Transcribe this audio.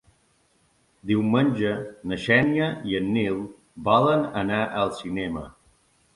Diumenge na Xènia i en Nil volen anar al cinema.